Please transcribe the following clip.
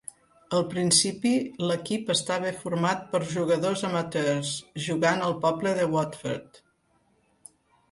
Al principi l'equip estava format per jugadors amateurs, jugant al poble de Watford.